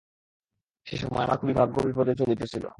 সে-সময় আমার খুবই ভাগ্য বিপর্যয় চলিতেছিল।